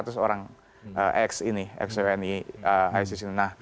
atau enam ratus orang x ini xoni isis ini